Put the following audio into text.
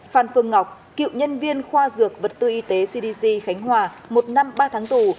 phan phương ngọc cựu nhân viên khoa dược vật tư y tế cdc khánh hòa một năm ba tháng tù